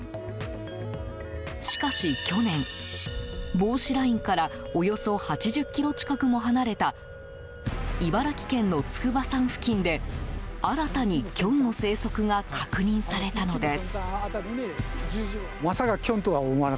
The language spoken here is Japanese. しかし去年、防止ラインからおよそ８０ｋｍ近くも離れた茨城県の筑波山付近で新たに、キョンの生息が確認されたのです。